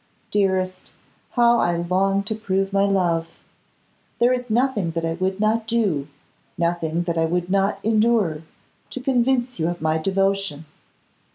Dearest, how I long to prove my love! There is nothing that I would not do, nothing that I would not endure, to convince you of my devotion!